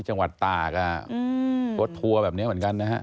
จังหวัดตากรถทัวร์แบบนี้เหมือนกันนะฮะ